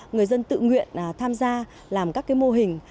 người dân tự nguyện tham gia làm các mô hình